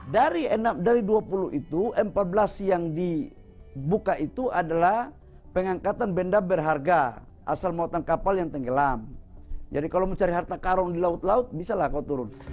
dari dua puluh itu empat belas yang dibuka itu adalah pengangkatan benda berharga asal muatan kapal yang tenggelam jadi kalau mencari harta karun di laut laut bisa lah kau turun